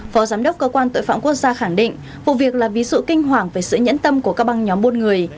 phó giám đốc cơ quan tội phạm quốc gia khẳng định vụ việc là vì sự kinh hoảng về sự nhẫn tâm của các băng nhóm buôn người